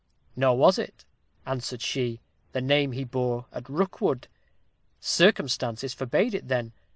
'Nor was it,' answered she, 'the name he bore at Rookwood; circumstances forbade it then.